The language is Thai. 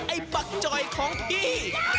ไอ้ปักจอยของพี่